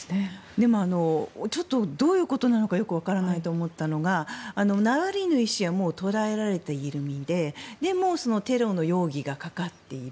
でも、ちょっとどういうことなのかわからないと思ったのがナワリヌイ氏はもう捕らえられている身ででもテロの容疑がかかっている。